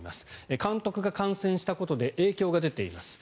監督が感染したことで影響が出ています。